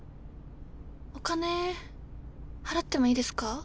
お金払ってもいいですか？